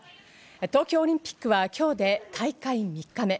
東京オリンピックは今日で大会３日目。